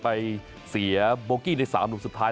ไปเสียโบกี้ใน๓ลูกสุดท้าย